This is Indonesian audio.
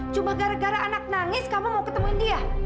cuma gara gara anak nangis kamu mau ketemu dia